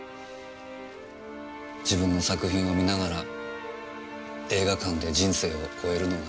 自分の作品を観ながら映画館で人生を終えるのが。